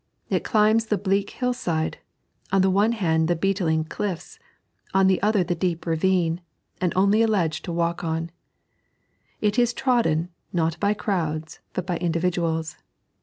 It climbs the bleak hillside — on the one hand the beetling cHfis, on Uie other the deep ravine, and only a ledge to walk on. It is trodden, not by crowds, but by individuals.